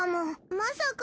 まさか。